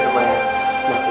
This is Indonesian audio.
kepala mama sakit ma